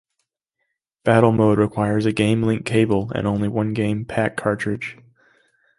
Battle mode requires a Game Link Cable and only one game pak cartridge.